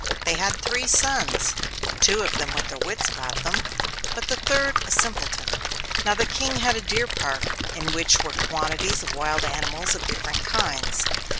They had three sons, two of them with their wits about them, but the third a simpleton. Now the King had a deer park in which were quantities of wild animals of different kinds.